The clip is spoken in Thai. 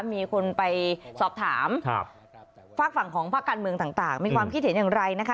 มีคนไปสอบถามฝากฝั่งของภาคการเมืองต่างมีความคิดเห็นอย่างไรนะคะ